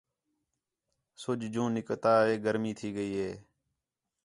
سُڄ جُوں نکلتا ہے گرمی تھی ڳئی ہے